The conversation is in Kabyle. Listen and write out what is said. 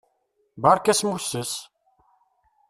Beṛka asmusses!